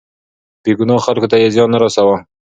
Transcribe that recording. بې ګناه خلکو ته يې زيان نه رساوه.